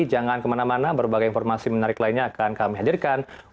jangan kemana mana berbagai informasi menarik lainnya akan kami hadirkan